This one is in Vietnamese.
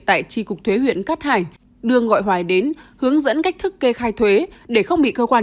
tại tri cục thuế huyện cát hải đưa gọi đến hướng dẫn cách thức kê khai thuế để không bị cơ quan